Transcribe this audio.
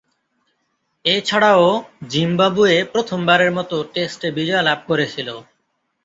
এছাড়াও, জিম্বাবুয়ে প্রথমবারের মতো টেস্টে বিজয় লাভ করেছিল।